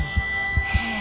はあ。